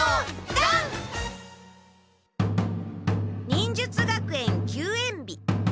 忍術学園休園日。